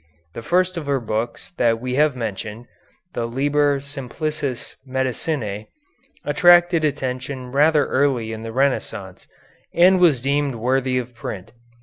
The first of her books that we have mentioned, the "Liber Simplicis Medicinæ," attracted attention rather early in the Renaissance, and was deemed worthy of print.